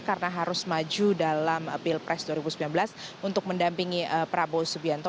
karena harus maju dalam bill press dua ribu sembilan belas untuk mendampingi prabowo subianto